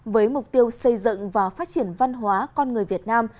với mục tiêu xây dựng và phát triển văn hóa con người việt nam